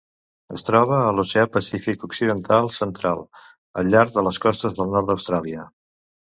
Es troba a l'Oceà Pacífic occidental central: al llarg de les costes del nord d'Austràlia.